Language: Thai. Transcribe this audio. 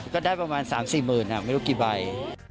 ก็ได้ประมาณ๓๔หมื่นไม่รู้กี่ใบ